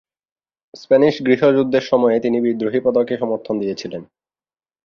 Spanish গৃহ যুদ্ধের সময়ে তিনি বিদ্রোহী পক্ষকে সমর্থন দিয়েছিলেন।